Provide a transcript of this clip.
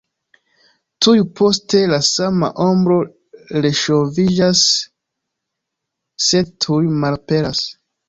Tuj poste la sama ombro reŝoviĝas, sed tuj malaperas.